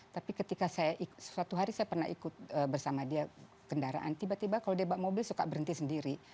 tapi ketika saya suatu hari saya pernah ikut bersama dia kendaraan tiba tiba kalau dia bawa mobil suka berhenti sendiri